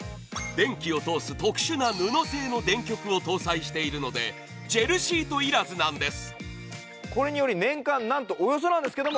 電気を通す特殊な布製の電極を搭載しているので、ジェルシート要らずなんです。